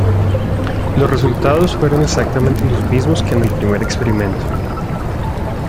Los resultados fueron exactamente los mismos que en el primer experimento.